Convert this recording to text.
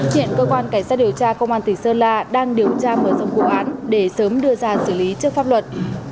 hiện cơ quan cảnh sát điều tra công an tỉnh sơn la đang điều tra mở rộng vụ án để sớm đưa ra xử lý trước pháp luật